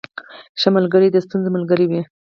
• ښه ملګری د ستونزو ملګری وي.